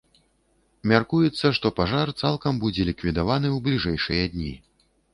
Мяркуецца, што пажар цалкам будзе ліквідаваны ў бліжэйшыя дні.